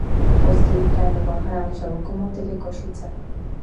Později trénoval hráče Lokomotivy Košice.